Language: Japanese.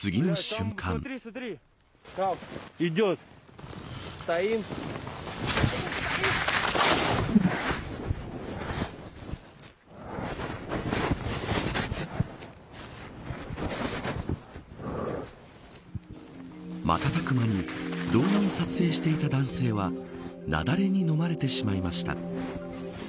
瞬く間に動画を撮影していた男性は雪崩にのまれてしまいました。